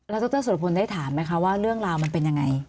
ดรสุรพลได้ถามไหมคะว่าเรื่องราวมันเป็นยังไง